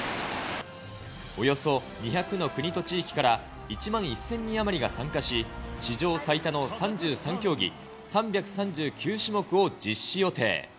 およそ２００の国と地域から、１万１０００人余りが参加し、史上最多の３３競技３３９種目を実施予定。